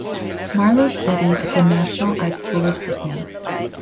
Marlow studied at the National Art School of Sydney.